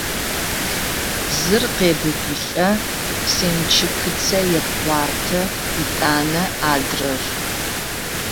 Зыр къебыбылӏэ, семчыкыцэ епхъуатэ, етӏанэ–адрэр…